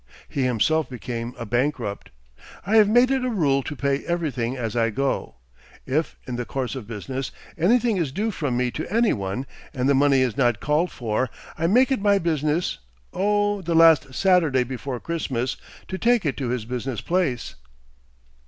He himself became a bankrupt. I have made it a rule to pay everything as I go. If, in the course of business, anything is due from me to any one, and the money is not called for, I make it my business oh the last Saturday before Christmas to take it to his business place."